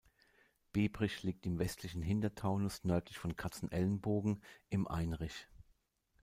Biebrich liegt im westlichen Hintertaunus nördlich von Katzenelnbogen im Einrich.